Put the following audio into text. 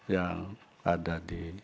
yang ada di